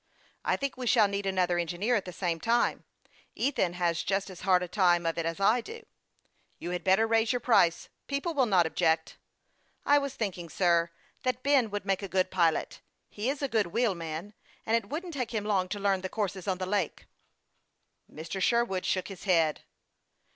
" I think we shall need another engineer at the same time. Ethan has just as hard a time of it as I do." THE YOUNG PILOT OF LAKE CHAMPLAIN. 271 " You had better raise your price ; people will not object." " I was thinking, sir, that Ben would make a good pilot. He is a good wheel man, and it wouldn't take him long to learn the courses on the lake." Mr. Sherwood shook his head.